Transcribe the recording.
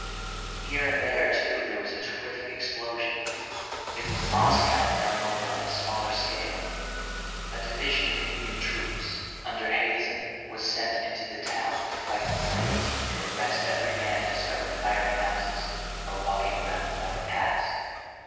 Here and there, too, there was a terrific explosion. It was Moscow done over on a smaller scale. A division of Union troops, under Hazen, was sent into the town to fight the flames and to arrest every man discovered firing houses or walking around without a pass.